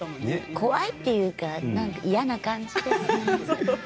怖いというかなんか嫌な感じです。